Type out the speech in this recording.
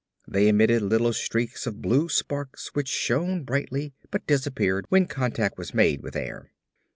They emitted little streaks of blue sparks which shone brightly but disappeared when contact was made with air.